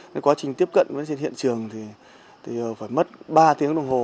cái quá trình tiếp cận với trên hiện trường thì phải mất ba tiếng đồng hồ